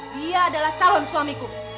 dia adalah calon suamiku